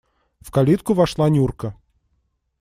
В калитку вошла Нюрка.